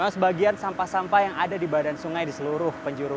sebagian sampah sampah yang ada di badan sungai di seluruh penjuru